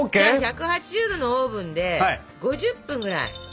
じゃあ１８０℃のオーブンで５０分ぐらい。